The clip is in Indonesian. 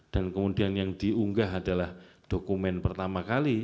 dan kemudian yang diunggah adalah dokumen pertama kali